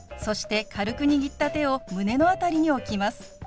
そして軽く握った手を胸の辺りに置きます。